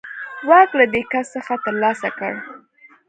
واک له دې کس څخه ترلاسه کړ.